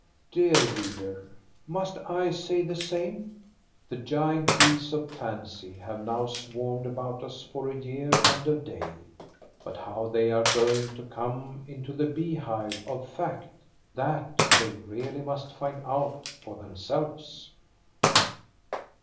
Dear reader, must I say the same.? The giant bees of fancy have now swarmed about us for a year and a day ; but how they are going to come into the bee hive of fact, that they really must find out for themselves.